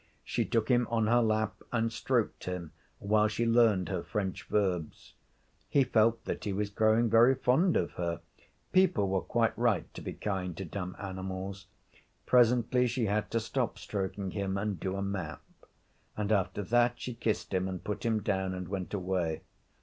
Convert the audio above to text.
She took him on her lap and stroked him while she learned her French verb. He felt that he was growing very fond of her. People were quite right to be kind to dumb animals. Presently she had to stop stroking him and do a map. And after that she kissed him and put him down and went away.